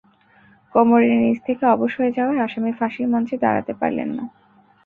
কোমরের নিচ থেকে অবশ হয়ে যাওয়ায় আসামি ফাঁসির মঞ্চে দাঁড়াতে পারলেন না।